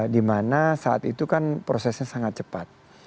di mana saat itu kan prosesnya sangat cepat